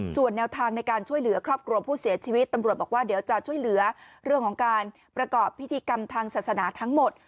ส่วนแนวทางในการช่วยเหลือครอบครัวผู้เสียชีวิตตำรวจบอกว่าเดี๋ยวจะช่วยเหลือเรื่องของการประกอบพิธีกรรมทางศาสนาทั้งหมด